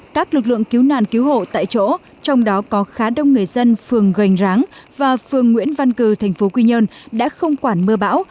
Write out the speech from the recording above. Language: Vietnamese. các lực lượng cứu nạn cứu hộ tại chỗ trong đó có khá đông người dân phường gành ráng và phường nguyễn văn cử tp quy nhơn đã không quản mưa bão